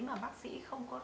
mà bác sĩ không có thể tìm ra